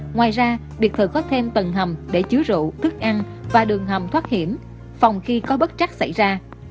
ngoài ra biệt thự có thêm tầng hầm để chứa rượu thức ăn và đường hầm thoát hiểm phòng khi có bất chắc xảy ra